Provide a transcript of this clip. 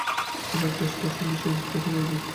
তবে একটা বিষয় স্পষ্ট করে দিই।